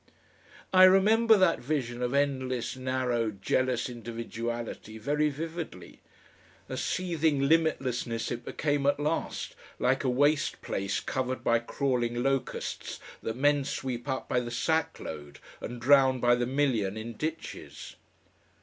I remember that vision of endless, narrow, jealous individuality very vividly. A seething limitlessness it became at last, like a waste place covered by crawling locusts that men sweep up by the sackload and drown by the million in ditches....